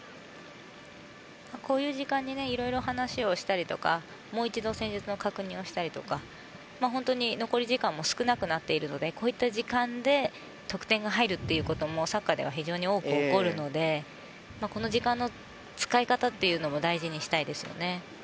こういう時間にいろいろ話をしたりとかもう一度戦術の確認をしたりとか本当に、残り時間も少なくなっているのでこういった時間で得点が入るということもサッカーでは非常に多く起こるのでこの時間の使い方というのも大事にしたいですよね。